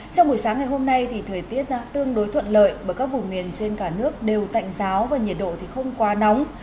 trong buổi sáng ngày hôm nay thì thời tiết tương đối thuận lợi bởi các vùng miền trên cả nước đều tạnh giáo và nhiệt độ thì không quá nóng